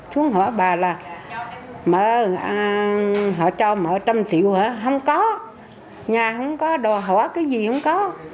xuống hỏi bà là họ cho mọi trăm triệu hả không có nhà không có đồ hỏa cái gì không có